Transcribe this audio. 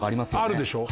あるでしょ？